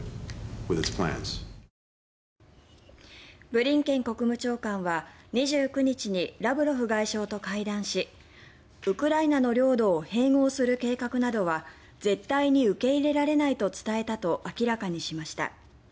ブリンケン国務長官は２９日にラブロフ外相と会談しウクライナの領土を併合する計画などは絶対に受け入れられないと伝えたと明らかにしました。